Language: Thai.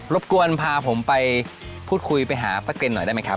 บกวนพาผมไปพูดคุยไปหาป้าเกรนหน่อยได้ไหมครับ